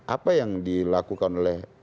apa yang dilakukan oleh